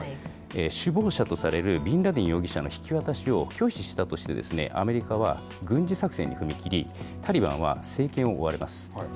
首謀者とされるビンラディン容疑者の引き渡しを拒否したとして、アメリカは軍事作戦に踏み切り、タリバンは政権を追われます。